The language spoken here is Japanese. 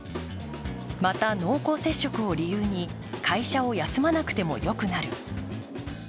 また、濃厚接触を理由に会社を休まなくてもよくなる。